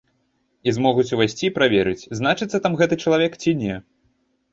І змогуць увайсці і праверыць, значыцца там гэты чалавек ці не.